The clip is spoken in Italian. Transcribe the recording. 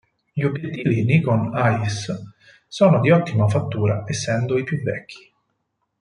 Gli obiettivi Nikon Ai-S sono di ottima fattura essendo i più vecchi.